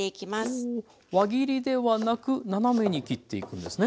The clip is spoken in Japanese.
輪切りではなく斜めに切っていくんですね？